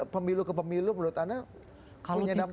pemilu ke pemilu menurut anda